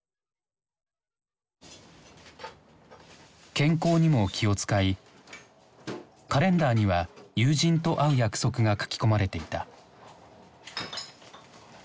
健康にも気を遣いカレンダーには友人と会う約束が書き込まれていた。